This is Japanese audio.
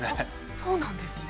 そうなんですね。